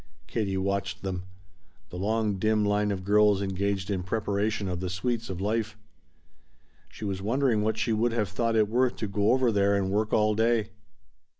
Katie watched them: the long dim line of girls engaged in preparation of the sweets of life. She was wondering what she would have thought it worth to go over there and work all day.